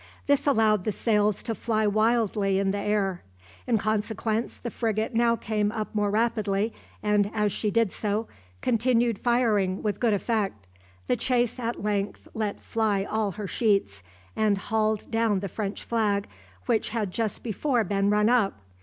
This allowed the sails to fly wildly in the air. In consequence, the frigate now came up more rapidly, and, as she did so, continued firing with good effect. The chase at length let fly all her sheets, and hauled down the French flag, which had just before been run up.